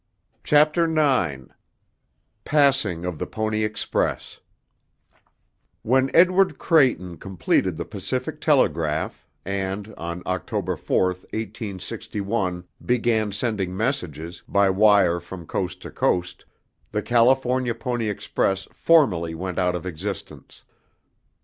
Chapter IX Passing of the Pony Express When Edward Creighton completed the Pacific telegraph, and, on October 24, 1861, began sending messages; by wire from coast to coast, the California Pony Express formally went out of existence.